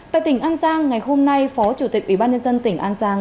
tại tỉnh an giang ngày hôm nay phó chủ tịch ủy ban nhân dân tỉnh an giang